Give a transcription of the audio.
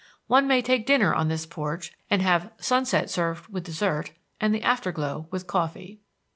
One may take dinner on this porch and have sunset served with dessert and the afterglow with coffee.